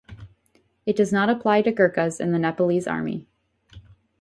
It does not apply to Gurkhas in the Nepalese Army.